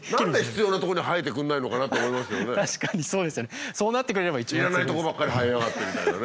要らないとこばっかり生えやがってみたいなね。